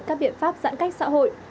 các biện pháp giãn cách xã hội